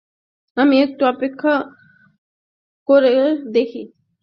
আমি একটু অপেক্ষা করে দেখি।